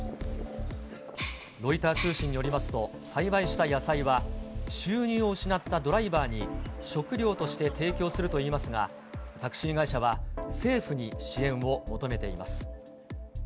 ロイター通信によりますと、栽培した野菜は、収入を失ったドライバーに食料として提供するといいますが、タクシー会社は、政府に支援を求めています。